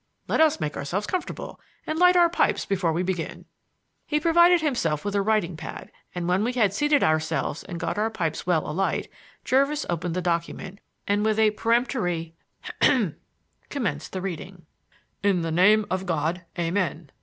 Let us make ourselves comfortable and light our pipes before we begin." He provided himself with a writing pad, and, when we had seated ourselves and got our pipes well alight, Jervis opened the document, and with a premonitory "hem!" commenced the reading. "In the name of God Amen.